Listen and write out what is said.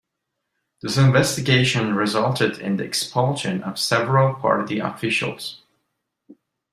This investigation resulted in the expulsion of several party officials.